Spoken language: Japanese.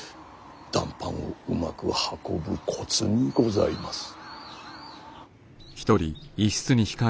談判をうまく運ぶコツにございます。